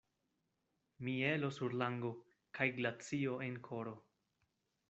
Mielo sur lango, kaj glacio en koro.